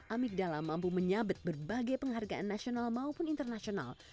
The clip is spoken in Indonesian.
amigdala mampu menyabet berbagai penghargaan nasional maupun internasional